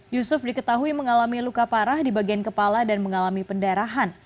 yusuf diketahui mengalami luka parah di bagian kepala dan mengalami pendarahan